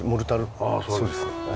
ああそうですか。